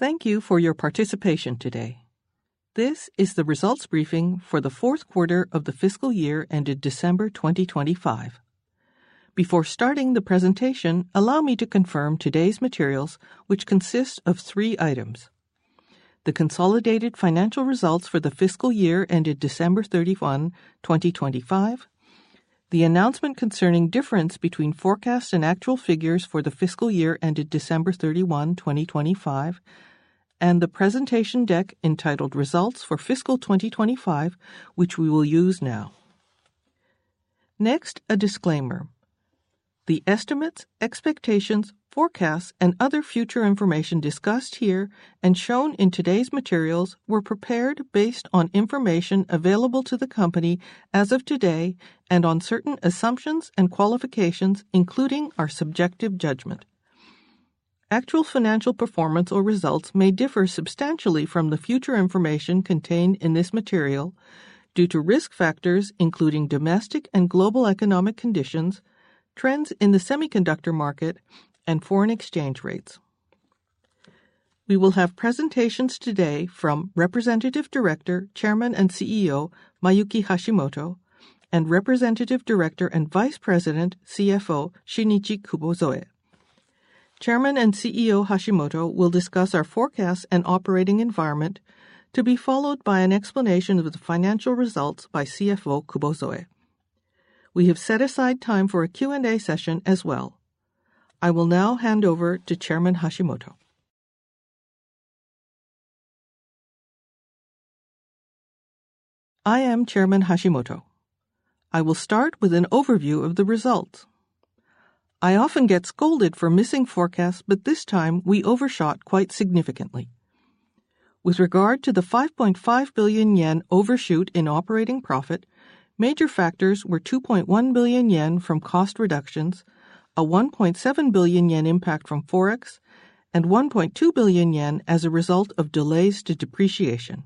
Thank you for your participation today. This is the results briefing for the fourth quarter of the fiscal year ended December 2025. Before starting the presentation, allow me to confirm today's materials, which consist of three items: The consolidated financial results for the fiscal year ended December 31, 2025, the announcement concerning difference between forecast and actual figures for the fiscal year ended December 31, 2025, and the presentation deck entitled Results for Fiscal 2025, which we will use now. Next, a disclaimer. The estimates, expectations, forecasts, and other future information discussed here and shown in today's materials were prepared based on information available to the company as of today and on certain assumptions and qualifications, including our subjective judgment. Actual financial performance or results may differ substantially from the future information contained in this material due to risk factors including domestic and global economic conditions, trends in the semiconductor market, and foreign exchange rates. We will have presentations today from Representative Director, Chairman, and Chief Executive Officer Mayuki Hashimoto, and Representative Director and Vice President, Chief Financial Officer Shinichi Kubozoe. Chairman and Chief Executive Officer Hashimoto will discuss our forecast and operating environment, to be followed by an explanation of the financial results by Chief Financial Officer Kubozoe. We have set aside time for a Q&A session as well. I will now hand over to Chairman Hashimoto. I am Chairman Hashimoto. I will start with an overview of the results. I often get scolded for missing forecasts, but this time we overshot quite significantly. With regard to the 5.5 billion yen overshoot in operating profit, major factors were 2.1 billion yen from cost reductions, a 1.7 billion yen impact from forex, and 1.2 billion yen as a result of delays to depreciation.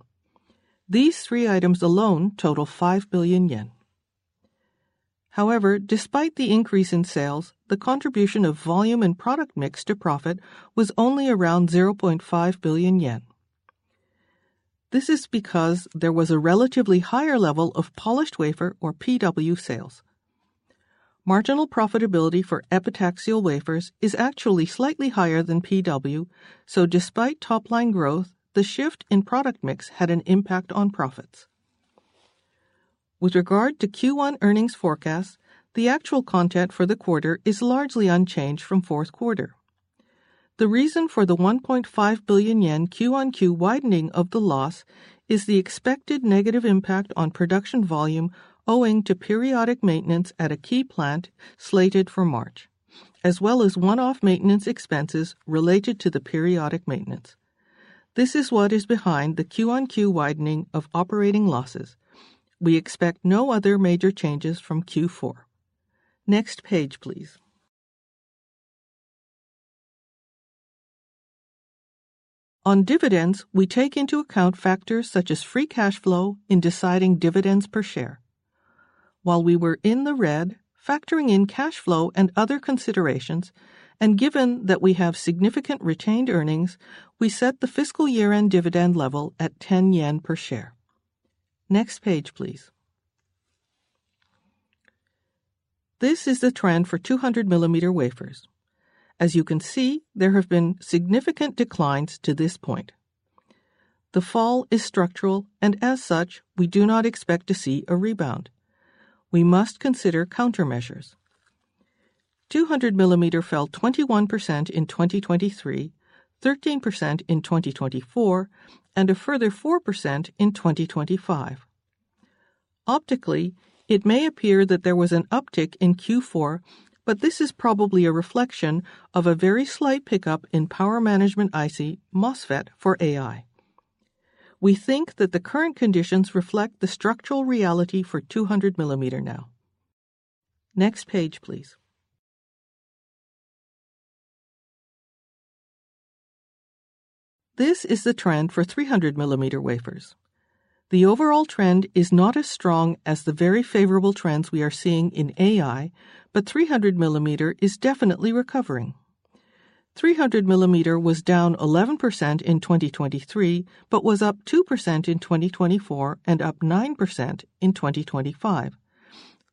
These three items alone total 5 billion yen. However, despite the increase in sales, the contribution of volume and product mix to profit was only around 0.5 billion yen. This is because there was a relatively higher level of polished wafer, or PW, sales. Marginal profitability for epitaxial wafers is actually slightly higher than PW, so despite top-line growth, the shift in product mix had an impact on profits. With regard to Q1 earnings forecast, the actual content for the quarter is largely unchanged from fourth quarter. The reason for the 1.5 billion yen Q-on-Q widening of the loss is the expected negative impact on production volume, owing to periodic maintenance at a key plant slated for March, as well as one-off maintenance expenses related to the periodic maintenance. This is what is behind the Q-on-Q widening of operating losses. We expect no other major changes from Q4. Next page, please. On dividends, we take into account factors such as free cash flow in deciding dividends per share. While we were in the red, factoring in cash flow and other considerations, and given that we have significant retained earnings, we set the fiscal year-end dividend level at 10 yen per share. Next page, please. This is the trend for 200 millimeter wafers. As you can see, there have been significant declines to this point. The fall is structural, and as such, we do not expect to see a rebound. We must consider countermeasures. 200 millimeter fell 21% in 2023, 13% in 2024, and a further 4% in 2025. Optically, it may appear that there was an uptick in Q4, but this is probably a reflection of a very slight pickup in power management IC MOSFET for AI. We think that the current conditions reflect the structural reality for 200 millimeter now. Next page, please. This is the trend for 300 millimeter wafers. The overall trend is not as strong as the very favorable trends we are seeing in AI, but 300 millimeter is definitely recovering. 300 millimeter was down 11% in 2023, but was up 2% in 2024 and up 9% in 2025.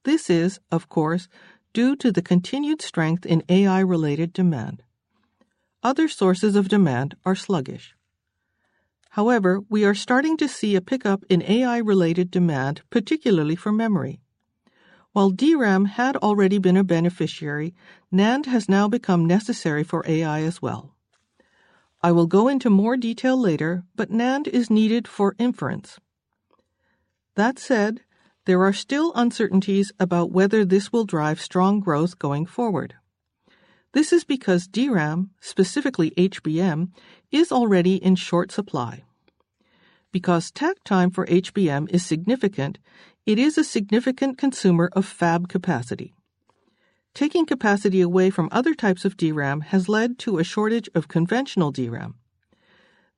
This is, of course, due to the continued strength in AI-related demand. Other sources of demand are sluggish. However, we are starting to see a pickup in AI-related demand, particularly for memory. While DRAM had already been a beneficiary, NAND has now become necessary for AI as well. I will go into more detail later, but NAND is needed for inference. That said, there are still uncertainties about whether this will drive strong growth going forward. This is because DRAM, specifically HBM, is already in short supply. Because takt time for HBM is significant, it is a significant consumer of fab capacity. Taking capacity away from other types of DRAM has led to a shortage of conventional DRAM.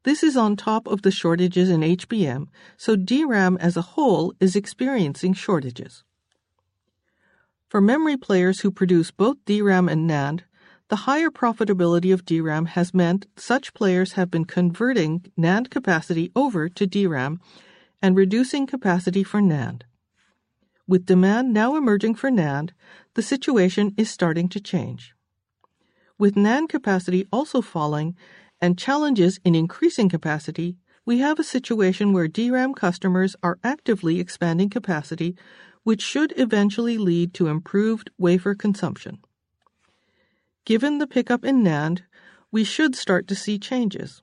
This is on top of the shortages in HBM, so DRAM as a whole is experiencing shortages. For memory players who produce both DRAM and NAND, the higher profitability of DRAM has meant such players have been converting NAND capacity over to DRAM and reducing capacity for NAND. With demand now emerging for NAND, the situation is starting to change. With NAND capacity also falling and challenges in increasing capacity, we have a situation where DRAM customers are actively expanding capacity, which should eventually lead to improved wafer consumption. Given the pickup in NAND, we should start to see changes.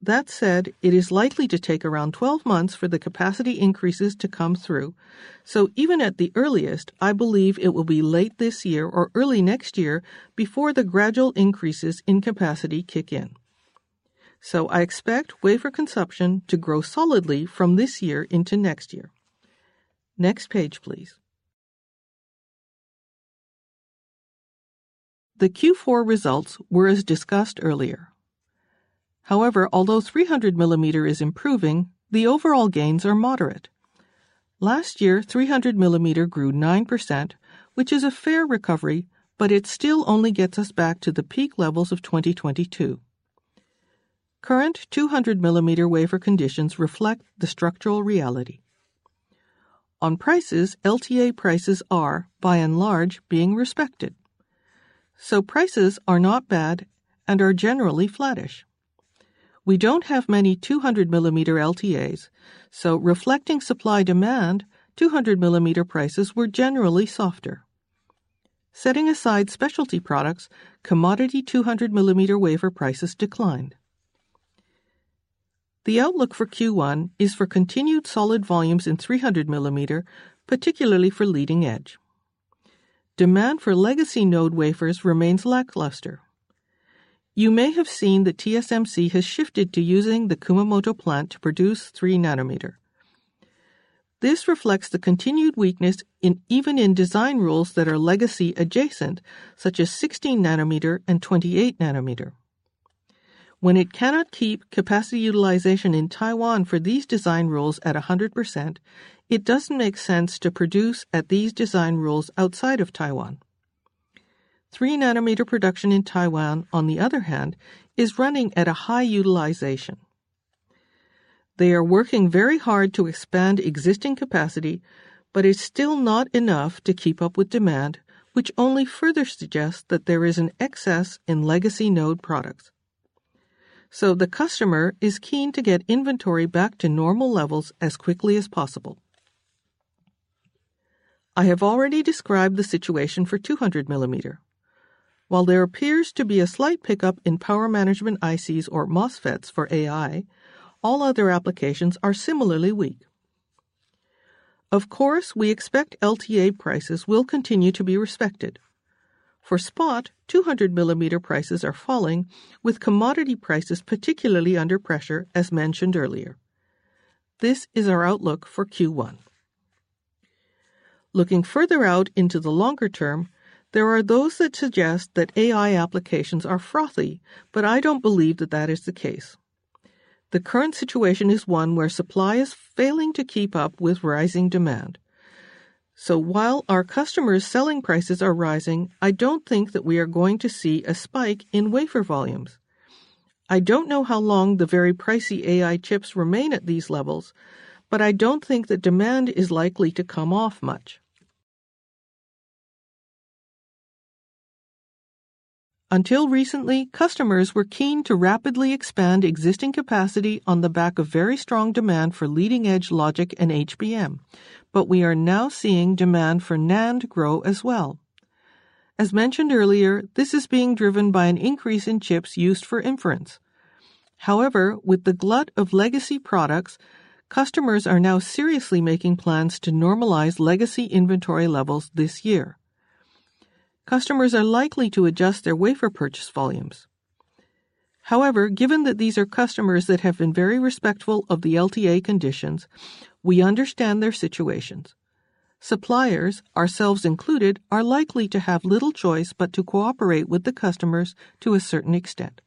That said, it is likely to take around 12 months for the capacity increases to come through. So even at the earliest, I believe it will be late this year or early next year before the gradual increases in capacity kick in. So I expect wafer consumption to grow solidly from this year into next year. Next page, please. The Q4 results were as discussed earlier. However, although 300 millimeter is improving, the overall gains are moderate. Last year, 300 millimeter grew 9%, which is a fair recovery, but it still only gets us back to the peak levels of 2022. Current 200 millimeter wafer conditions reflect the structural reality. On prices, LTA prices are, by and large, being respected, so prices are not bad and are generally flattish. We don't have many 200 millimeter LTAs, so reflecting supply-demand, 200 millimeter prices were generally softer. Setting aside specialty products, commodity 200 millimeter wafer prices declined. The outlook for Q1 is for continued solid volumes in 300 millimeter, particularly for leading edge. Demand for legacy node wafers remains lackluster. You may have seen that TSMC has shifted to using the Kumamoto plant to produce 3 nanometer. This reflects the continued weakness in even in design rules that are legacy adjacent, such as 16 nanometer and 28 nanometer. When it cannot keep capacity utilization in Taiwan for these design rules at 100%, it doesn't make sense to produce at these design rules outside of Taiwan. 3 nanometer production in Taiwan, on the other hand, is running at a high utilization. They are working very hard to expand existing capacity, but it's still not enough to keep up with demand, which only further suggests that there is an excess in legacy node products. So the customer is keen to get inventory back to normal levels as quickly as possible. I have already described the situation for 200 millimeter. While there appears to be a slight pickup in power management ICs or MOSFETs for AI, all other applications are similarly weak. Of course, we expect LTA prices will continue to be respected. For spot, 200 millimeter prices are falling, with commodity prices particularly under pressure, as mentioned earlier. This is our outlook for Q1. Looking further out into the longer term, there are those that suggest that AI applications are frothy, but I don't believe that that is the case. The current situation is one where supply is failing to keep up with rising demand. So while our customers' selling prices are rising, I don't think that we are going to see a spike in wafer volumes. I don't know how long the very pricey AI chips remain at these levels, but I don't think the demand is likely to come off much. Until recently, customers were keen to rapidly expand existing capacity on the back of very strong demand for leading-edge logic and HBM, but we are now seeing demand for NAND grow as well. As mentioned earlier, this is being driven by an increase in chips used for inference. However, with the glut of legacy products, customers are now seriously making plans to normalize legacy inventory levels this year. Customers are likely to adjust their wafer purchase volumes. However, given that these are customers that have been very respectful of the LTA conditions, we understand their situations. Suppliers, ourselves included, are likely to have little choice but to cooperate with the customers to a certain extent.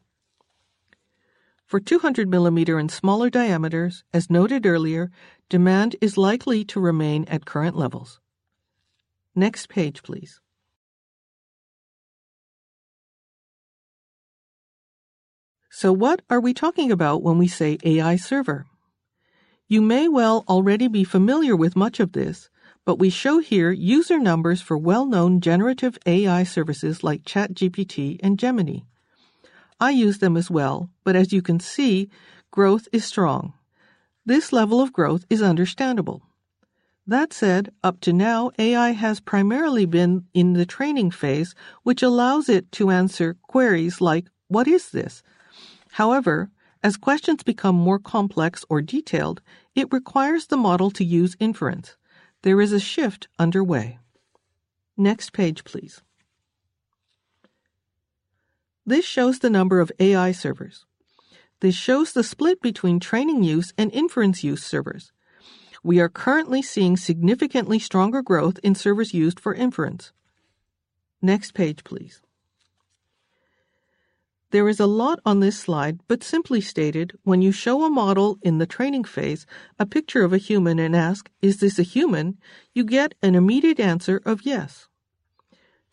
For 200-millimeter and smaller diameters, as noted earlier, demand is likely to remain at current levels. Next page, please. So what are we talking about when we say AI server? You may well already be familiar with much of this, but we show here user numbers for well-known generative AI services like ChatGPT and Gemini. I use them as well, but as you can see, growth is strong. This level of growth is understandable. That said, up to now, AI has primarily been in the training phase, which allows it to answer queries like, "What is this?" However, as questions become more complex or detailed, it requires the model to use inference. There is a shift underway. Next page, please. This shows the number of AI servers. This shows the split between training use and inference use servers. We are currently seeing significantly stronger growth in servers used for inference. Next page, please. There is a lot on this slide, but simply stated, when you show a model in the training phase, a picture of a human and ask: Is this a human? You get an immediate answer of yes.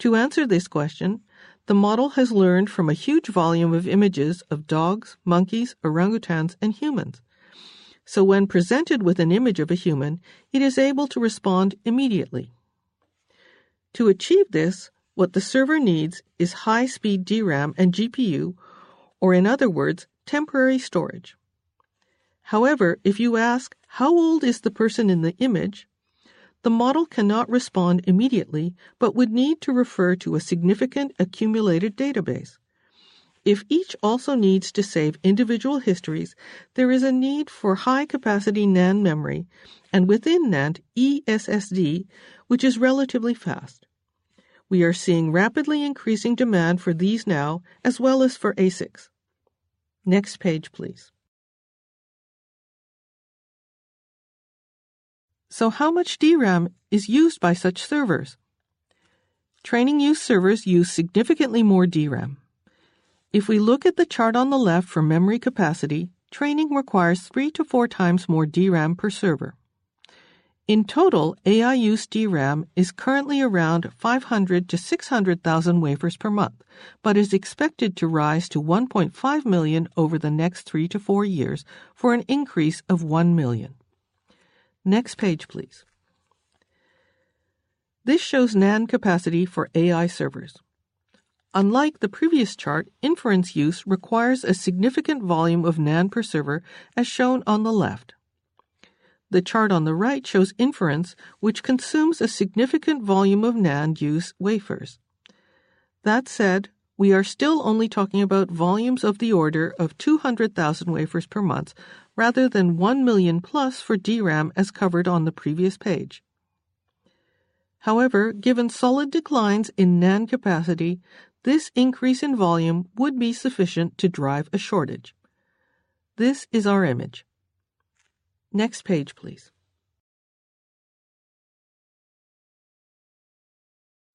To answer this question, the model has learned from a huge volume of images of dogs, monkeys, orangutans, and humans. So when presented with an image of a human, it is able to respond immediately. To achieve this, what the server needs is high-speed DRAM and GPU, or in other words, temporary storage. However, if you ask: How old is the person in the image? The model cannot respond immediately, but would need to refer to a significant accumulated database. If each also needs to save individual histories, there is a need for high-capacity NAND memory, and within NAND, eSSD, which is relatively fast. We are seeing rapidly increasing demand for these now, as well as for ASICs. Next page, please. So how much DRAM is used by such servers? Training use servers use significantly more DRAM. If we look at the chart on the left for memory capacity, training requires 3x -4 times more DRAM per server. In total, AI use DRAM is currently around 500,000-600,000 wafers per month, but is expected to rise to 1.5 million over the next 3-4 years, for an increase of 1 million. Next page, please. This shows NAND capacity for AI servers. Unlike the previous chart, inference use requires a significant volume of NAND per server, as shown on the left. The chart on the right shows inference, which consumes a significant volume of NAND use wafers. That said, we are still only talking about volumes of the order of 200,000 wafers per month, rather than 1 million+ for DRAM, as covered on the previous page. However, given solid declines in NAND capacity, this increase in volume would be sufficient to drive a shortage. This is our image. Next page, please.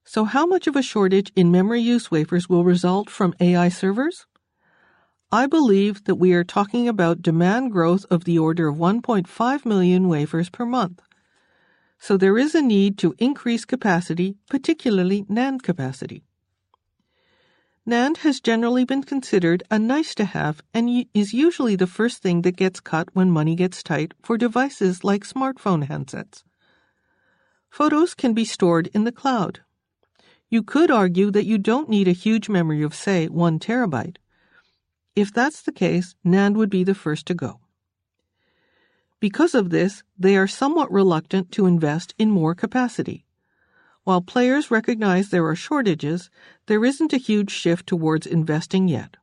So how much of a shortage in memory use wafers will result from AI servers? I believe that we are talking about demand growth of the order of 1.5 million wafers per month. So there is a need to increase capacity, particularly NAND capacity. NAND has generally been considered a nice-to-have and is usually the first thing that gets cut when money gets tight for devices like smartphone handsets. Photos can be stored in the cloud. You could argue that you don't need a huge memory of, say, 1 terabyte. If that's the case, NAND would be the first to go. Because of this, they are somewhat reluctant to invest in more capacity. While players recognize there are shortages, there isn't a huge shift towards investing yet.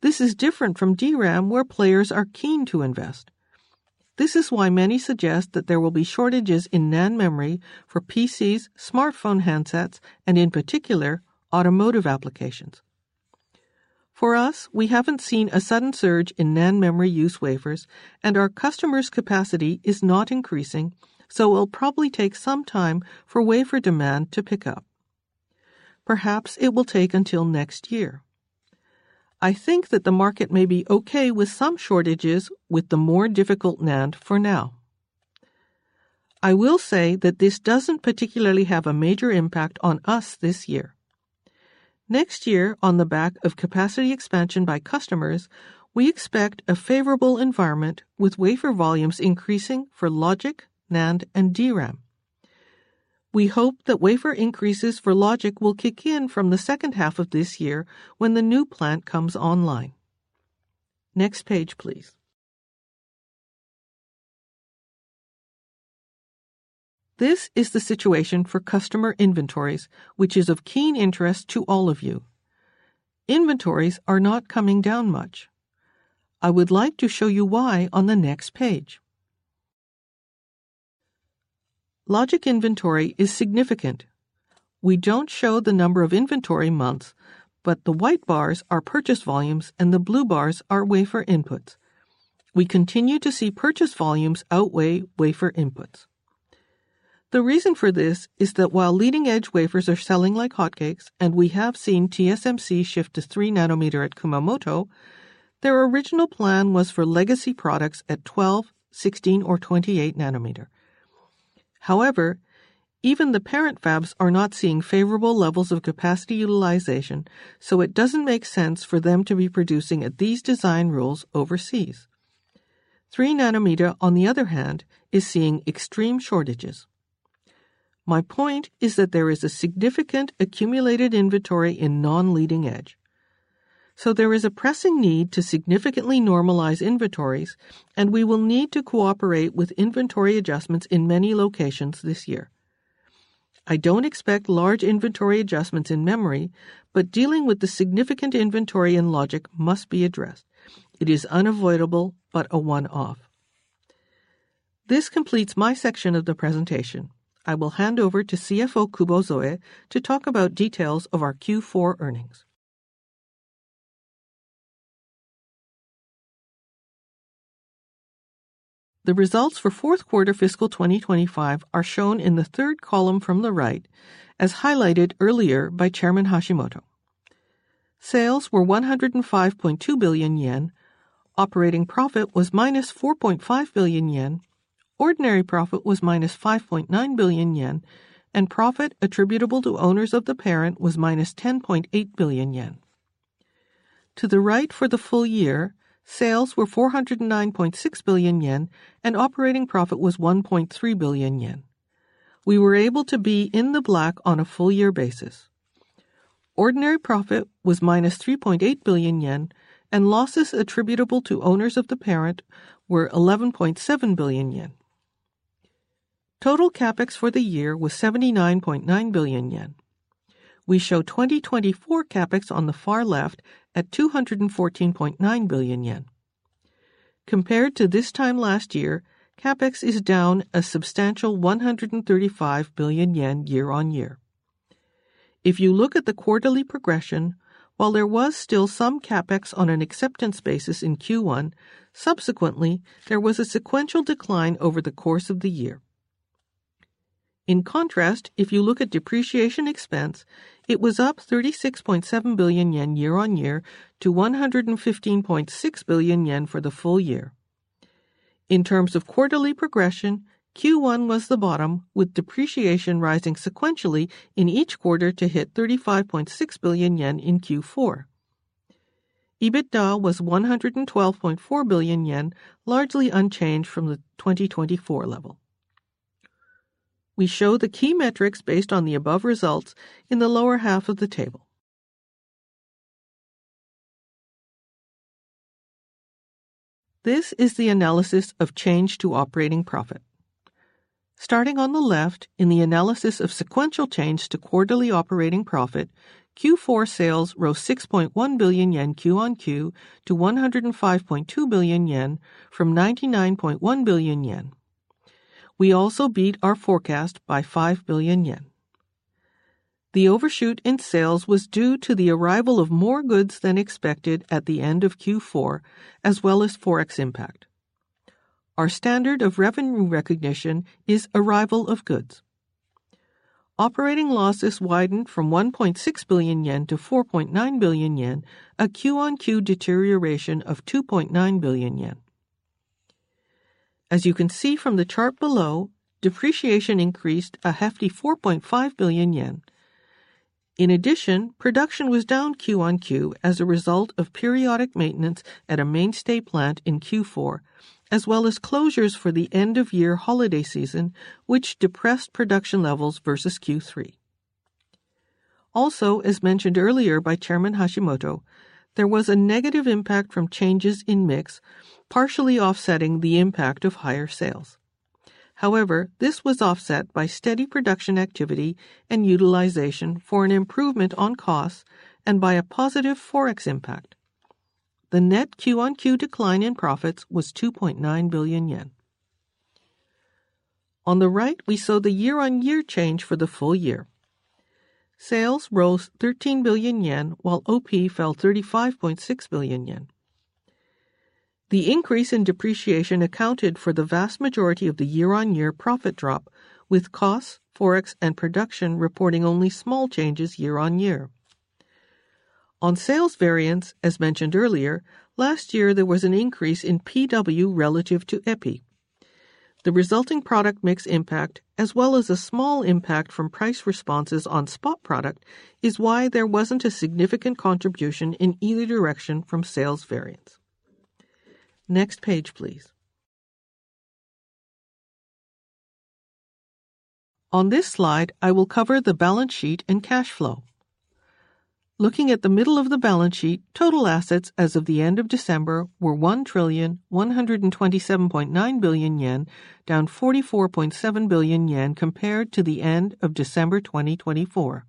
This is different from DRAM, where players are keen to invest. This is why many suggest that there will be shortages in NAND memory for PCs, smartphone handsets, and in particular, automotive applications. For us, we haven't seen a sudden surge in NAND memory use wafers, and our customers' capacity is not increasing, so it'll probably take some time for wafer demand to pick up. Perhaps it will take until next year. I think that the market may be okay with some shortages, with the more difficult NAND for now. I will say that this doesn't particularly have a major impact on us this year. Next year, on the back of capacity expansion by customers, we expect a favorable environment, with wafer volumes increasing for logic, NAND, and DRAM. We hope that wafer increases for logic will kick in from the second half of this year when the new plant comes online. Next page, please. This is the situation for customer inventories, which is of keen interest to all of you. Inventories are not coming down much. I would like to show you why on the next page. Logic inventory is significant. We don't show the number of inventory months, but the white bars are purchase volumes and the blue bars are wafer inputs. We continue to see purchase volumes outweigh wafer inputs. The reason for this is that while leading-edge wafers are selling like hotcakes, and we have seen TSMC shift to 3 nanometer at Kumamoto, their original plan was for legacy products at 12, 16, or 28 nanometer. However, even the parent fabs are not seeing favorable levels of capacity utilization, so it doesn't make sense for them to be producing at these design rules overseas. 3 nanometer, on the other hand, is seeing extreme shortages. My point is that there is a significant accumulated inventory in non-leading edge, so there is a pressing need to significantly normalize inventories, and we will need to cooperate with inventory adjustments in many locations this year. I don't expect large inventory adjustments in memory, but dealing with the significant inventory and logic must be addressed. It is unavoidable, but a one-off. This completes my section of the presentation. I will hand over to Chief Financial Officer Kubozoe to talk about details of our Q4 earnings. The results for fourth quarter fiscal 2025 are shown in the third column from the right, as highlighted earlier by Chairman Hashimoto. Sales were 105.2 billion yen. Operating profit was -4.5 billion yen. Ordinary profit was -5.9 billion yen, and profit attributable to owners of the parent was -10.8 billion yen. To the right, for the full year, sales were 409.6 billion yen, and operating profit was 1.3 billion yen. We were able to be in the black on a full year basis. Ordinary profit was -3.8 billion yen, and losses attributable to owners of the parent were 11.7 billion yen. Total CapEx for the year was 79.9 billion yen. We show 2024 CapEx on the far left at 214.9 billion yen. Compared to this time last year, CapEx is down a substantial 135 billion yen year-on-year. If you look at the quarterly progression, while there was still some CapEx on an acceptance basis in Q1, subsequently, there was a sequential decline over the course of the year. In contrast, if you look at depreciation expense, it was up 36.7 billion yen year-on-year to 115.6 billion yen for the full year. In terms of quarterly progression, Q1 was the bottom, with depreciation rising sequentially in each quarter to hit 35.6 billion yen in Q4. EBITDA was 112.4 billion yen, largely unchanged from the 2024 level. We show the key metrics based on the above results in the lower half of the table. This is the analysis of change to operating profit. Starting on the left, in the analysis of sequential change to quarterly operating profit, Q4 sales rose 6.1 billion yen Q-on-Q to 105.2 billion yen from 99.1 billion yen. We also beat our forecast by 5 billion yen. The overshoot in sales was due to the arrival of more goods than expected at the end of Q4, as well as Forex impact. Our standard of revenue recognition is arrival of goods. Operating losses widened from 1.6 billion yen to 4.9 billion yen, a Q-on-Q deterioration of 2.9 billion yen. As you can see from the chart below, depreciation increased a hefty 4.5 billion yen. In addition, production was down Q-on-Q as a result of periodic maintenance at a mainstay plant in Q4, as well as closures for the end-of-year holiday season, which depressed production levels versus Q3. Also, as mentioned earlier by Chairman Hashimoto, there was a negative impact from changes in mix, partially offsetting the impact of higher sales. However, this was offset by steady production activity and utilization for an improvement on costs and by a positive Forex impact. The net Q-on-Q decline in profits was 2.9 billion yen. On the right, we saw the year-on-year change for the full year. Sales rose 13 billion yen, while OP fell 35.6 billion yen. The increase in depreciation accounted for the vast majority of the year-on-year profit drop, with costs, Forex, and production reporting only small changes year-on-year. On sales variance, as mentioned earlier, last year, there was an increase in PW relative to EPI. The resulting product mix impact, as well as a small impact from price responses on spot product, is why there wasn't a significant contribution in either direction from sales variance. Next page, please. On this slide, I will cover the balance sheet and cash flow. Looking at the middle of the balance sheet, total assets as of the end of December were 1,127.9 billion yen, down 44.7 billion yen compared to the end of December 2024.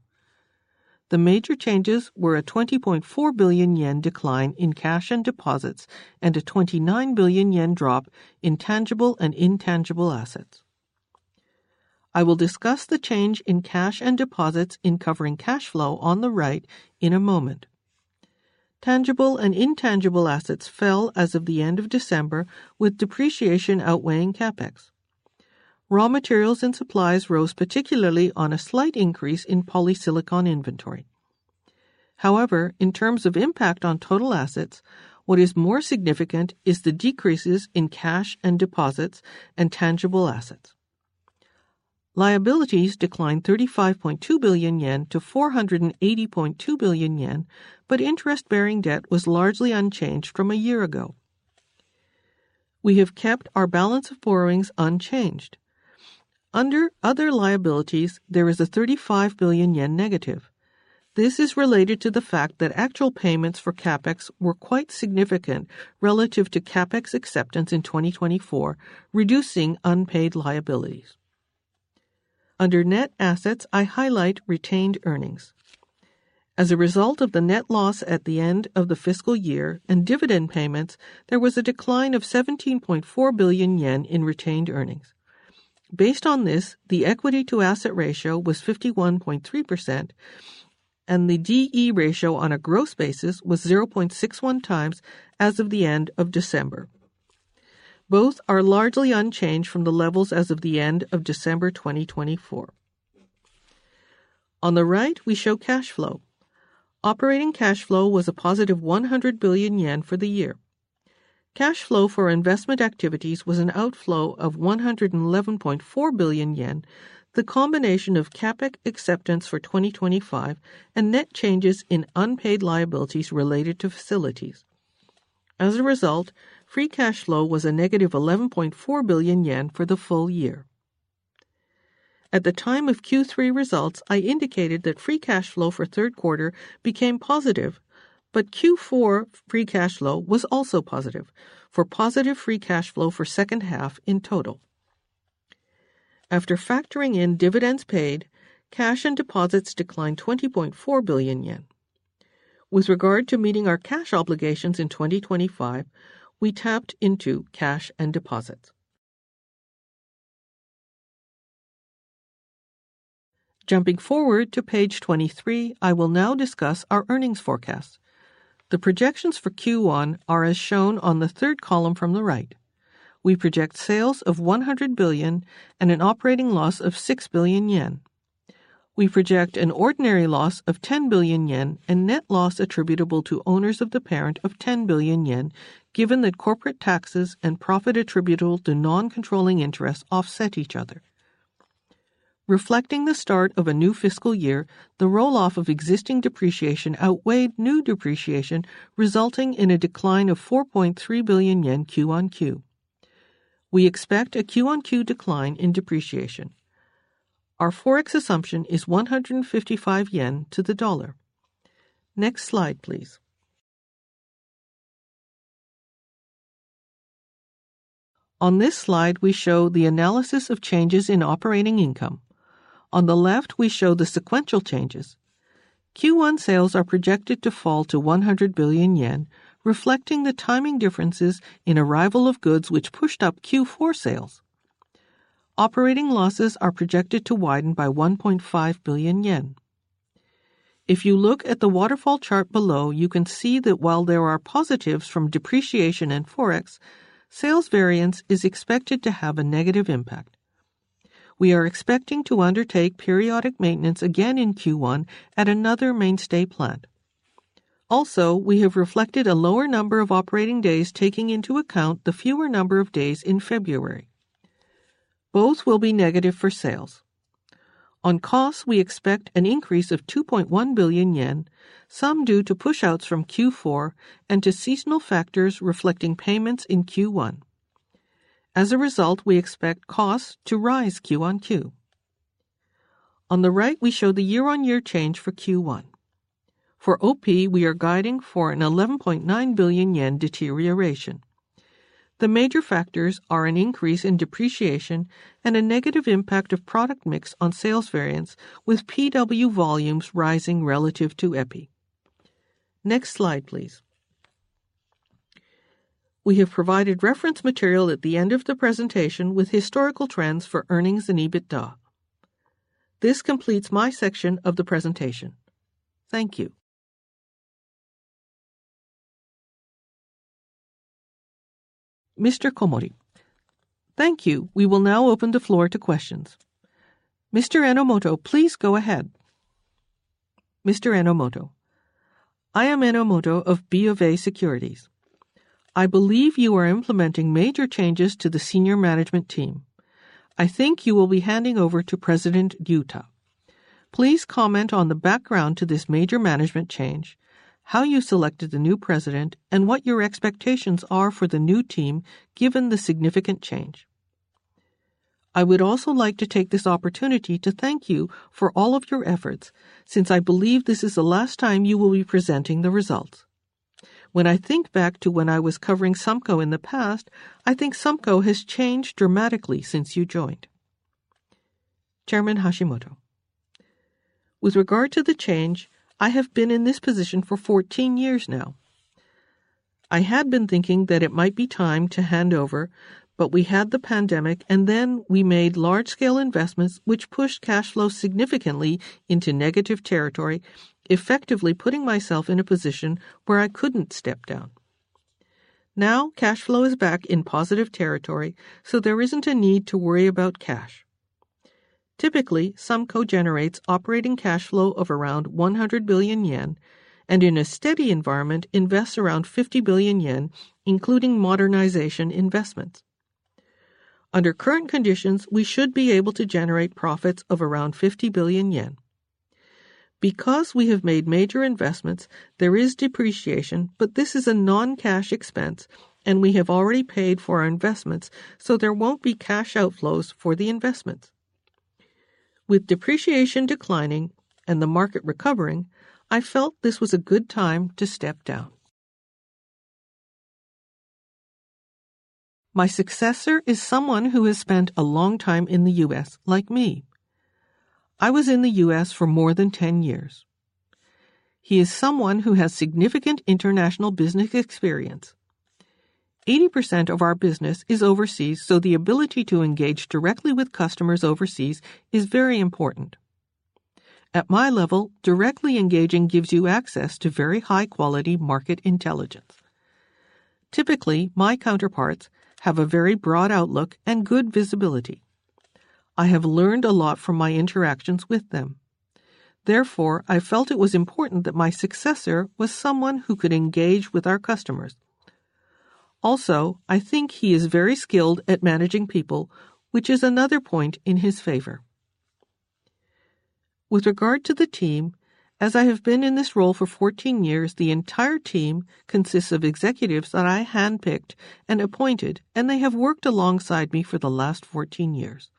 The major changes were a 20.4 billion yen decline in cash and deposits and a 29 billion yen drop in tangible and intangible assets. I will discuss the change in cash and deposits in covering cash flow on the right in a moment. Tangible and intangible assets fell as of the end of December, with depreciation outweighing CapEx. Raw materials and supplies rose, particularly on a slight increase in polysilicon inventory. However, in terms of impact on total assets, what is more significant is the decreases in cash and deposits and tangible assets. Liabilities declined 35.2 billion yen to 480.2 billion yen, but interest-bearing debt was largely unchanged from a year ago. We have kept our balance of borrowings unchanged. Under other liabilities, there is a 35 billion yen negative. This is related to the fact that actual payments for CapEx were quite significant relative to CapEx acceptance in 2024, reducing unpaid liabilities. Under net assets, I highlight retained earnings. As a result of the net loss at the end of the fiscal year and dividend payments, there was a decline of 17.4 billion yen in retained earnings. Based on this, the equity to asset ratio was 51.3%, and the DE ratio on a gross basis was 0.61 times as of the end of December. Both are largely unchanged from the levels as of the end of December 2024. On the right, we show cash flow. Operating cash flow was a positive 100 billion yen for the year. Cash flow for investment activities was an outflow of 111.4 billion yen, the combination of CapEx acceptance for 2025 and net changes in unpaid liabilities related to facilities. As a result, free cash flow was a negative 11.4 billion yen for the full year. At the time of Q3 results, I indicated that free cash flow for third quarter became positive, but Q4 free cash flow was also positive, for positive free cash flow for second half in total. After factoring in dividends paid, cash and deposits declined 20.4 billion yen. With regard to meeting our cash obligations in 2025, we tapped into cash and deposits. Jumping forward to page 23, I will now discuss our earnings forecast. The projections for Q1 are as shown on the third column from the right. We project sales of 100 billion and an operating loss of 6 billion yen. We project an ordinary loss of 10 billion yen and net loss attributable to owners of the parent of 10 billion yen, given that corporate taxes and profit attributable to non-controlling interests offset each other. Reflecting the start of a new fiscal year, the roll-off of existing depreciation outweighed new depreciation, resulting in a decline of 4.3 billion yen Q-on-Q. We expect a Q-on-Q decline in depreciation. Our Forex assumption is 155 yen to the dollar. Next slide, please. On this slide, we show the analysis of changes in operating income. On the left, we show the sequential changes. Q1 sales are projected to fall to 100 billion yen, reflecting the timing differences in arrival of goods which pushed up Q4 sales. Operating losses are projected to widen by 1.5 billion yen. If you look at the waterfall chart below, you can see that while there are positives from depreciation and Forex, sales variance is expected to have a negative impact. We are expecting to undertake periodic maintenance again in Q1 at another mainstay plant. Also, we have reflected a lower number of operating days, taking into account the fewer number of days in February. Both will be negative for sales. On costs, we expect an increase of 2.1 billion yen, some due to pushouts from Q4 and to seasonal factors reflecting payments in Q1. As a result, we expect costs to rise Q-on-Q. On the right, we show the year-on-year change for Q1. For OP, we are guiding for a 11.9 billion yen deterioration. The major factors are an increase in depreciation and a negative impact of product mix on sales variance, with PW volumes rising relative to EPI. Next slide, please. We have provided reference material at the end of the presentation with historical trends for earnings and EBITDA. This completes my section of the presentation. Thank you. Mr. Komori Thank you. We will now open the floor to questions. Mr. Enomoto, please go ahead. Mr. Enomoto I am Enomoto of BofA Securities. I believe you are implementing major changes to the senior management team. I think you will be handing over to President Awa. Please comment on the background to this major management change, how you selected the new president, and what your expectations are for the new team, given the significant change. I would also like to take this opportunity to thank you for all of your efforts, since I believe this is the last time you will be presenting the results. When I think back to when I was covering SUMCO in the past, I think SUMCO has changed dramatically since you joined. Chairman Hashimoto With regard to the change, I have been in this position for 14 years now. I had been thinking that it might be time to hand over, but we had the pandemic, and then we made large-scale investments, which pushed cash flow significantly into negative territory, effectively putting myself in a position where I couldn't step down. Now, cash flow is back in positive territory, so there isn't a need to worry about cash. Typically, SUMCO generates operating cash flow of around 100 billion yen, and in a steady environment, invests around 50 billion yen, including modernization investments. Under current conditions, we should be able to generate profits of around 50 billion yen. Because we have made major investments, there is depreciation, but this is a non-cash expense, and we have already paid for our investments, so there won't be cash outflows for the investments. With depreciation declining and the market recovering, I felt this was a good time to step down. My successor is someone who has spent a long time in the U.S., like me. I was in the U.S. for more than 10 years. He is someone who has significant international business experience. 80% of our business is overseas, so the ability to engage directly with customers overseas is very important. At my level, directly engaging gives you access to very high-quality market intelligence. Typically, my counterparts have a very broad outlook and good visibility. I have learned a lot from my interactions with them. Therefore, I felt it was important that my successor was someone who could engage with our customers. Also, I think he is very skilled at managing people, which is another point in his favor. With regard to the team, as I have been in this role for 14 years, the entire team consists of executives that I handpicked and appointed, and they have worked alongside me for the last 14 years.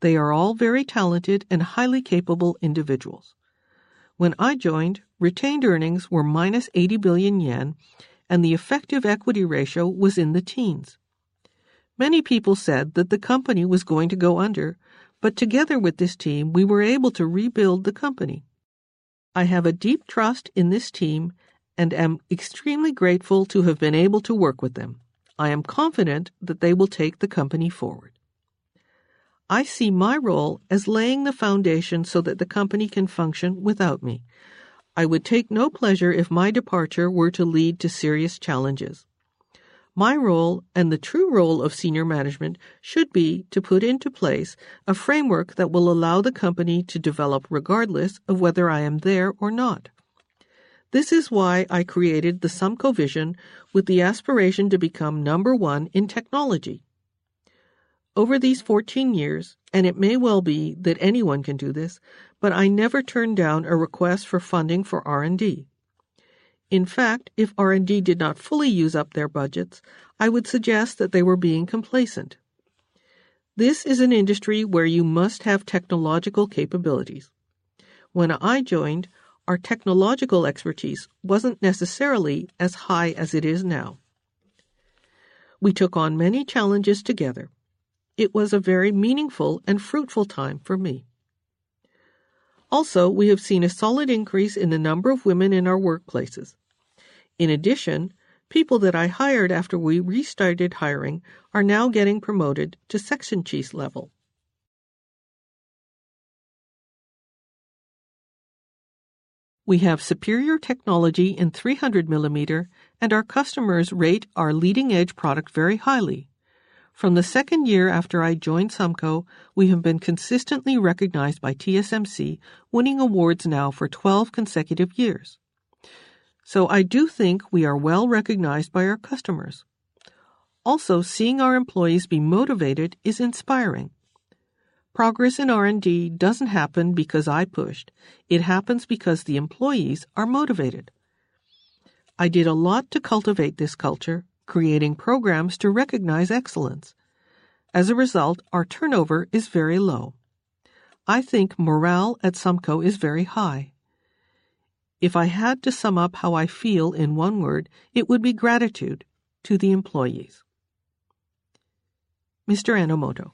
They are all very talented and highly capable individuals. When I joined, retained earnings were -80 billion yen, and the effective equity ratio was in the teens. Many people said that the company was going to go under, but together with this team, we were able to rebuild the company. I have a deep trust in this team and am extremely grateful to have been able to work with them. I am confident that they will take the company forward. I see my role as laying the foundation so that the company can function without me. I would take no pleasure if my departure were to lead to serious challenges. My role, and the true role of senior management, should be to put into place a framework that will allow the company to develop regardless of whether I am there or not. This is why I created the SUMCO vision with the aspiration to become number one in technology. Over these 14 years, and it may well be that anyone can do this, but I never turned down a request for funding for R&D. In fact, if R&D did not fully use up their budgets, I would suggest that they were being complacent. This is an industry where you must have technological capabilities. When I joined, our technological expertise wasn't necessarily as high as it is now. We took on many challenges together. It was a very meaningful and fruitful time for me. Also, we have seen a solid increase in the number of women in our workplaces. In addition, people that I hired after we restarted hiring are now getting promoted to section chiefs level. We have superior technology in 300 millimeter, and our customers rate our leading-edge product very highly. From the second year after I joined SUMCO, we have been consistently recognized by TSMC, winning awards now for 12 consecutive years. So I do think we are well-recognized by our customers. Also, seeing our employees be motivated is inspiring. Progress in R&D doesn't happen because I pushed. It happens because the employees are motivated. I did a lot to cultivate this culture, creating programs to recognize excellence. As a result, our turnover is very low. I think morale at SUMCO is very high. If I had to sum up how I feel in one word, it would be gratitude to the employees. Mr. Enomoto.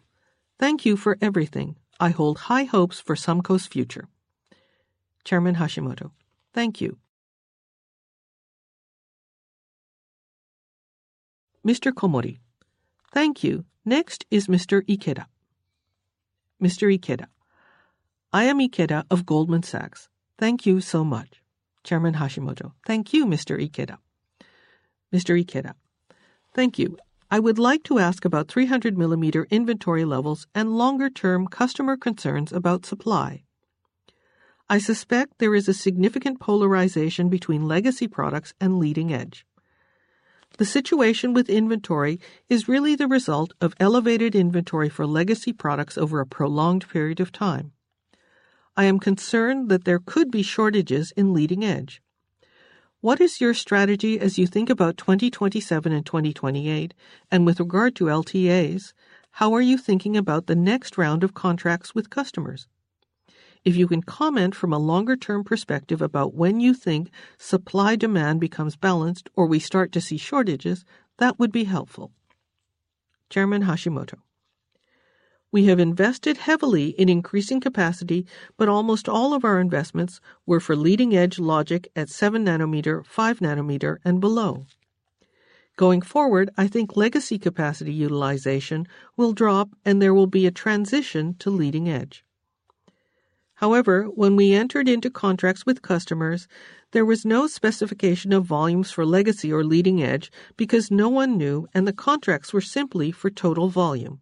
Thank you for everything. I hold high hopes for SUMCO's future. Chairman Hashimoto. Thank you. Mr. Komori. Thank you. Next is Mr. Ikeda. Mr. Ikeda. I am Ikeda of Goldman Sachs. Thank you so much. Chairman Hashimoto. Thank you, Mr. Ikeda. Mr. Ikeda. Thank you. I would like to ask about 300 millimeter inventory levels and longer-term customer concerns about supply. I suspect there is a significant polarization between legacy products and leading edge. The situation with inventory is really the result of elevated inventory for legacy products over a prolonged period of time. I am concerned that there could be shortages in leading edge. What is your strategy as you think about 2027 and 2028, and with regard to LTAs, how are you thinking about the next round of contracts with customers? If you can comment from a longer-term perspective about when you think supply-demand becomes balanced or we start to see shortages, that would be helpful. Chairman Hashimoto. We have invested heavily in increasing capacity, but almost all of our investments were for leading-edge logic at 7 nanometer, 5 nanometer, and below. Going forward, I think legacy capacity utilization will drop, and there will be a transition to leading edge. However, when we entered into contracts with customers, there was no specification of volumes for legacy or leading edge because no one knew, and the contracts were simply for total volume.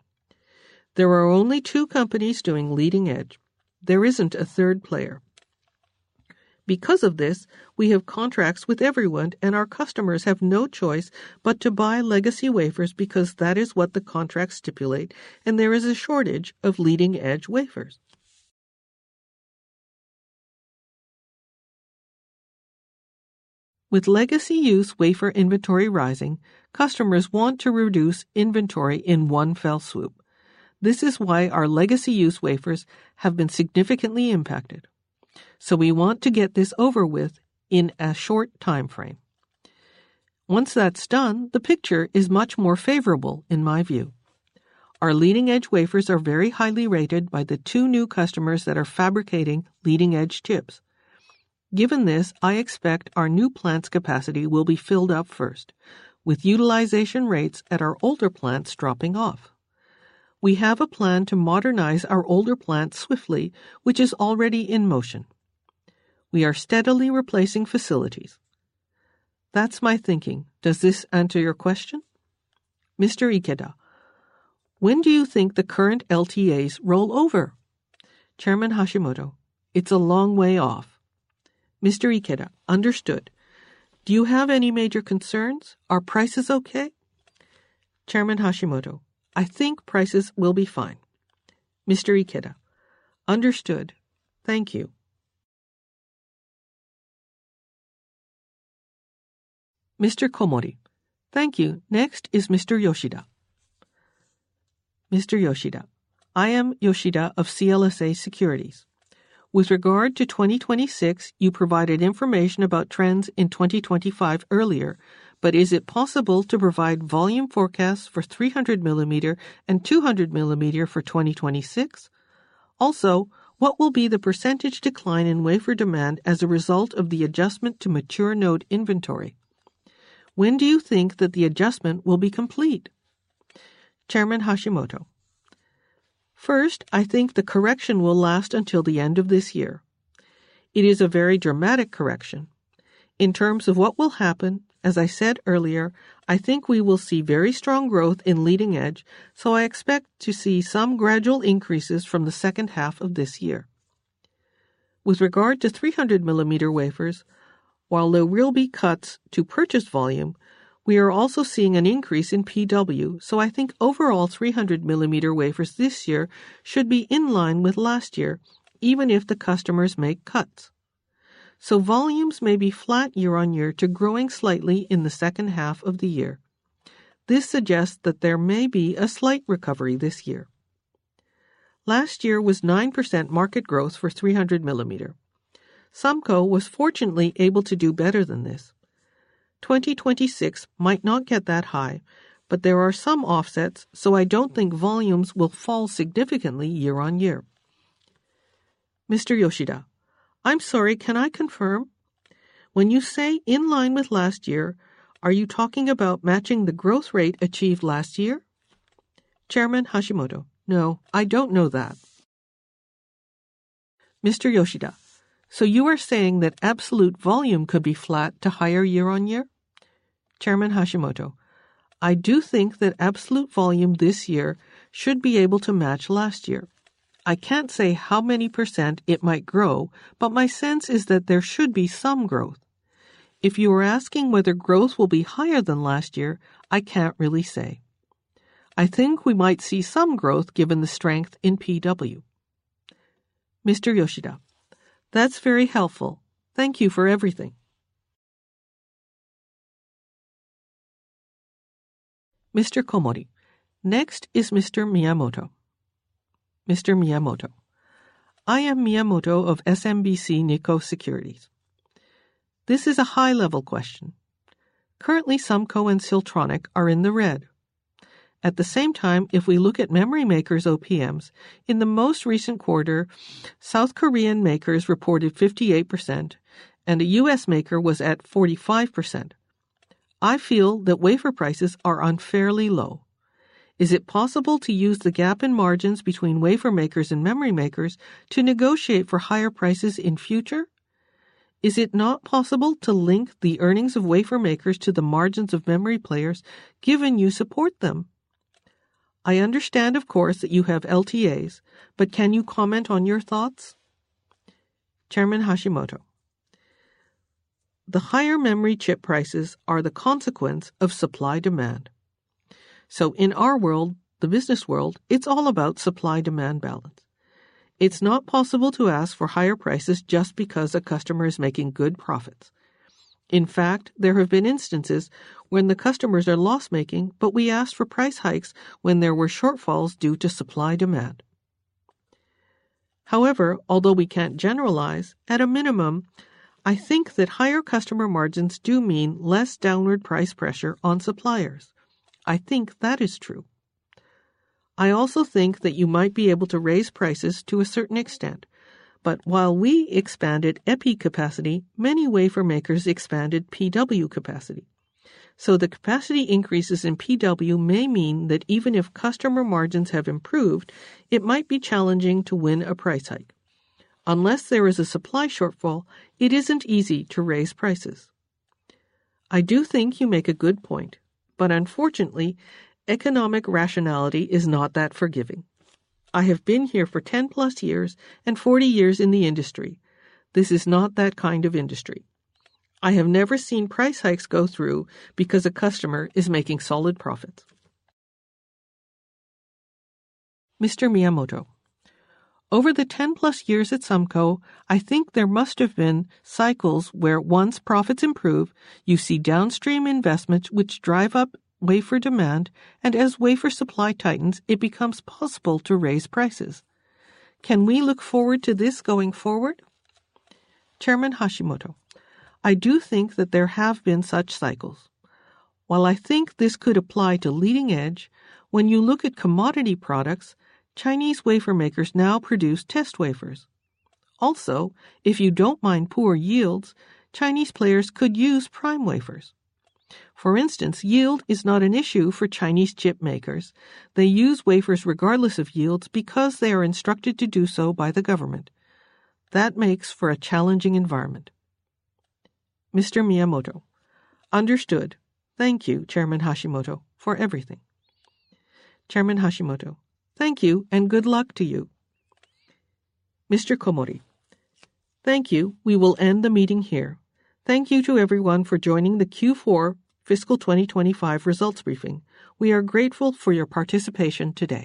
There are only two companies doing leading edge. There isn't a third player. Because of this, we have contracts with everyone, and our customers have no choice but to buy legacy wafers because that is what the contracts stipulate, and there is a shortage of leading-edge wafers. With legacy use wafer inventory rising, customers want to reduce inventory in one fell swoop. This is why our legacy use wafers have been significantly impacted. So we want to get this over with in a short timeframe... Once that's done, the picture is much more favorable in my view. Our leading-edge wafers are very highly rated by the two new customers that are fabricating leading-edge chips. Given this, I expect our new plant's capacity will be filled up first, with utilization rates at our older plants dropping off. We have a plan to modernize our older plants swiftly, which is already in motion. We are steadily replacing facilities. That's my thinking. Does this answer your question? Mr. Ikeda. When do you think the current LTAs roll over? Chairman Hashimoto. It's a long way off. Mr. Ikeda. Understood. Do you have any major concerns? Are prices okay? Chairman Hashimoto. I think prices will be fine. Mr. Ikeda. Understood. Thank you. Mr. Komori. Thank you. Next is Mr. Yoshida. Mr. Yoshida. I am Yoshida of CLSA Securities. With regard to 2026, you provided information about trends in 2025 earlier, but is it possible to provide volume forecasts for 300 millimeter and 200 millimeter for 2026? Also, what will be the percentage decline in wafer demand as a result of the adjustment to mature node inventory? When do you think that the adjustment will be complete? Chairman Hashimoto. First, I think the correction will last until the end of this year. It is a very dramatic correction. In terms of what will happen, as I said earlier, I think we will see very strong growth in leading edge, so I expect to see some gradual increases from the second half of this year. With regard to 300 millimeter wafers, while there will be cuts to purchase volume, we are also seeing an increase in PW, so I think overall 300 millimeter wafers this year should be in line with last year, even if the customers make cuts. So volumes may be flat year-on-year to growing slightly in the second half of the year. This suggests that there may be a slight recovery this year. Last year was 9% market growth for 300 millimeter wafers. SUMCO was fortunately able to do better than this. 2026 might not get that high, but there are some offsets, so I don't think volumes will fall significantly year-on-year. Mr. Yoshida. I'm sorry, can I confirm? When you say in line with last year, are you talking about matching the growth rate achieved last year? Chairman Hashimoto. No, I don't know that. Mr. Yoshida. So you are saying that absolute volume could be flat to higher year-on-year? Chairman Hashimoto. I do think that absolute volume this year should be able to match last year. I can't say how many percent it might grow, but my sense is that there should be some growth. If you are asking whether growth will be higher than last year, I can't really say. I think we might see some growth given the strength in PW. Mr. Yoshida. That's very helpful. Thank you for everything. Mr. Komori. Next is Mr. Miyamoto. Mr. Miyamoto. I am Miyamoto of SMBC Nikko Securities. This is a high-level question. Currently, SUMCO and Siltronic are in the red. At the same time, if we look at memory makers' OPMs, in the most recent quarter, South Korean makers reported 58%, and a US maker was at 45%. I feel that wafer prices are unfairly low. Is it possible to use the gap in margins between wafer makers and memory makers to negotiate for higher prices in future? Is it not possible to link the earnings of wafer makers to the margins of memory players, given you support them? I understand, of course, that you have LTAs, but can you comment on your thoughts? Chairman Hashimoto. The higher memory chip prices are the consequence of supply-demand. So in our world, the business world, it's all about supply-demand balance. It's not possible to ask for higher prices just because a customer is making good profits. In fact, there have been instances when the customers are loss-making, but we asked for price hikes when there were shortfalls due to supply demand. However, although we can't generalize, at a minimum, I think that higher customer margins do mean less downward price pressure on suppliers. I think that is true. I also think that you might be able to raise prices to a certain extent, but while we expanded EPI capacity, many wafer makers expanded PW capacity. So the capacity increases in PW may mean that even if customer margins have improved, it might be challenging to win a price hike. Unless there is a supply shortfall, it isn't easy to raise prices. I do think you make a good point, but unfortunately, economic rationality is not that forgiving. I have been here for 10+ years and 40 years in the industry. This is not that kind of industry. I have never seen price hikes go through because a customer is making solid profits. Mr. Miyamoto. Over the ten-plus years at SUMCO, I think there must have been cycles where once profits improve, you see downstream investments which drive up wafer demand, and as wafer supply tightens, it becomes possible to raise prices. Can we look forward to this going forward? Chairman Hashimoto. I do think that there have been such cycles. While I think this could apply to leading edge, when you look at commodity products, Chinese wafer makers now produce test wafers. Also, if you don't mind poor yields, Chinese players could use prime wafers. For instance, yield is not an issue for Chinese chip makers. They use wafers regardless of yields because they are instructed to do so by the government. That makes for a challenging environment. Mr. Miyamoto. Understood. Thank you, Chairman Hashimoto, for everything. Chairman Hashimoto. Thank you, and good luck to you. Mr. Komori. Thank you. We will end the meeting here. Thank you to everyone for joining the Q4 Fiscal 2025 Results Briefing. We are grateful for your participation today.